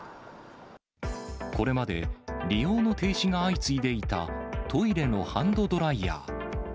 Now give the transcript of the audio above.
これまで、利用の停止が相次いでいたトイレのハンドドライヤー。